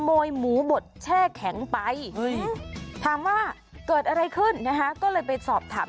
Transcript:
หมูบดแช่แข็งไปถามว่าเกิดอะไรขึ้นนะคะก็เลยไปสอบถาม